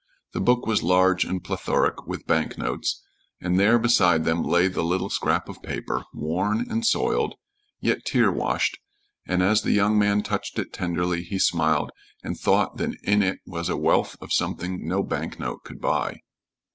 The book was large and plethoric with bank notes, and there beside them lay the little scrap of paper, worn and soiled, yet tear washed, and as the young man touched it tenderly he smiled and thought that in it was a wealth of something no bank note could buy.